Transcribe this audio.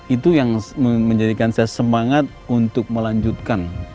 itu yang menjadikan saya semangat untuk melanjutkan